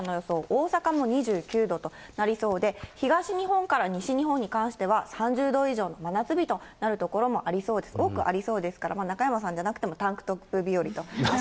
大阪も２９度となりそうで、東日本から西日本に関しては、３０度以上の真夏日となるところも多くありそうですから、中山さんじゃなくてもタンクトップ日和と。